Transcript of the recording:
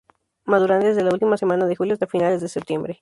Maduran desde la última semana de julio hasta finales de de septiembre.